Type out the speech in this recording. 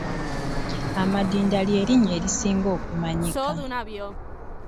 Amadinda lye linnya erisinga okumanyika.